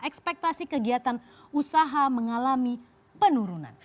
ekspektasi kegiatan usaha mengalami penurunan